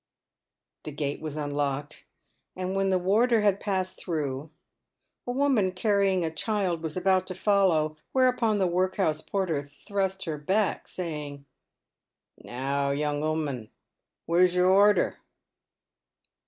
The gate was unlocked, and, when the warder had passed through, a woman carrying a child was about to follow, whereupon the work house porter thrust her back, saying :" Now, young 'ooman, where's your rorder